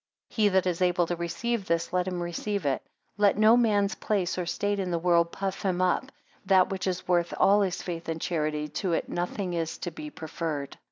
13 He that is able to receive this, let him receive it. Let no man's place or state in the world puff him up: that which is worth all his faith and charity, to it nothing is to be preferred.